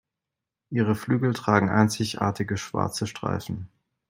Ihre Flügel tragen einzigartige schwarze Streifen.